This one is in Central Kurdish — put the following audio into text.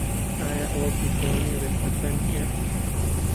ئایا ئەوە پێچەوانەی ڕێساکان نییە؟